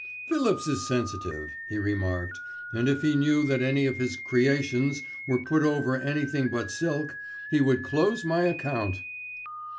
"Phillips is sensitive," he remarked, "and if he knew that any of his 'creations' were put over anything but silk, he would close my account."